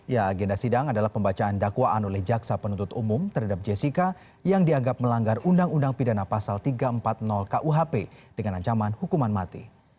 ya agenda sidang adalah pembacaan dakwaan oleh jaksa penuntut umum terhadap jessica yang dianggap melanggar undang undang pidana pasal tiga ratus empat puluh kuhp dengan ancaman hukuman mati